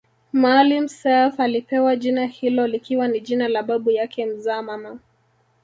Maalim Self alipewa jina hilo likiwa ni jina la babu yake mzaa mama